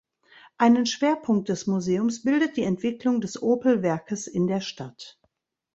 Einen Schwerpunkt des Museums bildet die Entwicklung des Opel-Werkes in der Stadt.